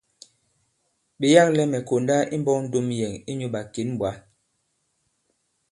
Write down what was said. Ɓe yâklɛ mɛ̀ konda imbɔk ndom yɛ̀n inyū ɓàkěn ɓwǎ.